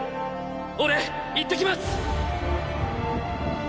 俺行って来ます！！